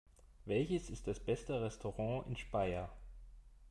Welches ist das beste Restaurant in Speyer?